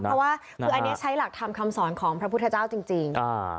เพราะว่าคืออันนี้ใช้หลักธรรมคำสอนของพระพุทธเจ้าจริง